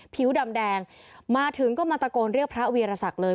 ผิวดำแดงมาถึงก็มาตะโกนเรียกพระวีรศักดิ์เลย